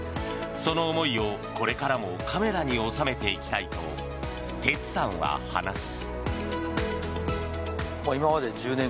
その思いを、これからもカメラに収めていきたいと哲さんは話す。